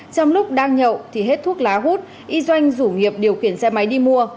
trong lúc đang nhậu thì hết thuốc lá hút y doanh rủ nghiệp điều khiển xe máy đi mua